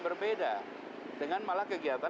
berbeda dengan malah kegiatan